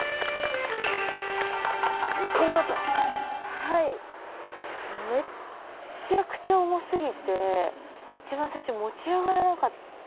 はいめっちゃくちゃ重すぎていちばん最初持ち上がらなかったんですよ